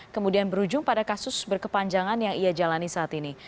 kemudian berujung pada kasus berkepanjangan yang ia jalani saat ini